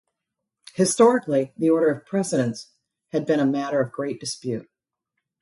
Historically, the order of precedence had been a matter of great dispute.